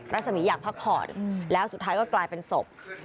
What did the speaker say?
รัศมีร์อยากพักผ่อนแล้วสุดท้ายก็กลายเป็นศพ